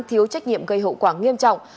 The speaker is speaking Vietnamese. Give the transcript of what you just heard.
thiếu trách nhiệm gây hậu quả nghiêm trọng